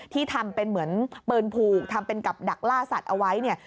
ที่ทำเป็นเหมือนปืนผูกทำเป็นกับดักล่าสัตว์เอาไว้เนี่ย